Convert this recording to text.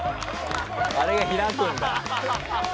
あれが開くんだ。